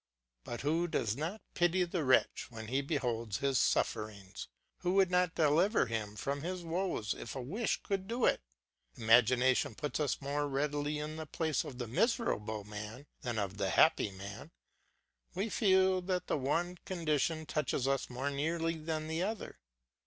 But who does not pity the wretch when he beholds his sufferings? who would not deliver him from his woes if a wish could do it? Imagination puts us more readily in the place of the miserable man than of the happy man; we feel that the one condition touches us more nearly than the other.